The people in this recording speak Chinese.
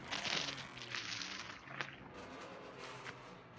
以上两本书都最先由纽约的出版发行。